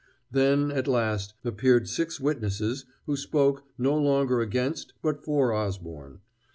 Then, at last, appeared six witnesses who spoke, no longer against, but for Osborne.